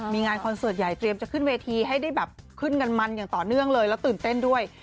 มีงานคอนเสิร์ตใหญ่เตรียมจะขึ้นเวทีให้ได้แบบขึ้นกันมันอย่างต่อเนื่องเลยแล้วตื่นเต้นด้วย